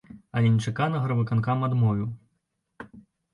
Але нечакана гарвыканкам адмовіў.